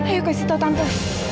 ayo kasih tau tante